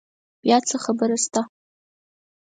بیا څه خبره شته؟